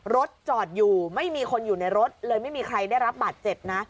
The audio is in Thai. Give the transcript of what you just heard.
รถจอดอยู่ไม่มีคนอยู่ในรถเลยไม่มีใครได้รับบาดเจ็บนะ